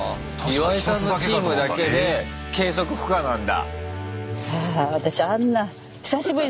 ⁉岩井さんのチームだけで計測不可なんだ。